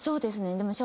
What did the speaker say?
でも。